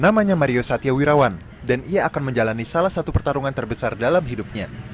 namanya mario satya wirawan dan ia akan menjalani salah satu pertarungan terbesar dalam hidupnya